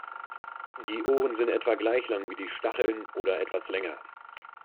Die Ohren sind etwa gleich lang wie die Stacheln oder etwas länger.